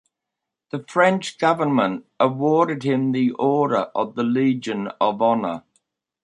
The French government awarded him the Order of the Legion of Honor.